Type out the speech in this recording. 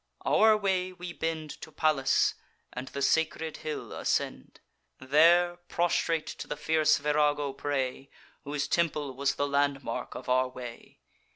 Our way we bend To Pallas, and the sacred hill ascend; There prostrate to the fierce Virago pray, Whose temple was the landmark of our way.